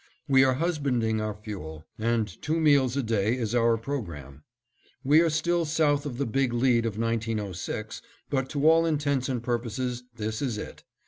We are husbanding our fuel, and two meals a day is our programme. We are still south of the Big Lead of 1906, but to all intents and purposes this is it.